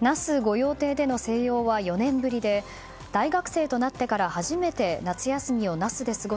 那須御用邸での静養は４年ぶりで大学生となってから初めて夏休みを那須で過ごす